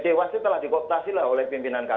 dewas itu telah dioptasi oleh pimpinan kpk